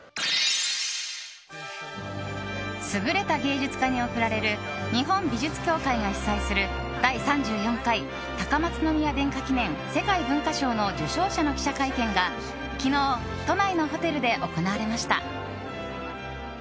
優れた芸術家に贈られる日本美術協会が主催する第３４回高松宮殿下記念世界文化賞の受賞者の記者会見が、昨日都内のホテルで行われました。